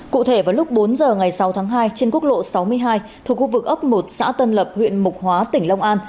cụ thể vào lúc bốn giờ ngày sáu tháng hai trên quốc lộ sáu mươi hai thuộc khu vực ấp một xã tân lập huyện mục hóa tỉnh long an